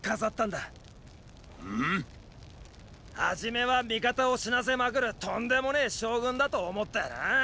ん⁉初めは味方を死なせまくるとんでもねェ将軍だと思ったよなァ！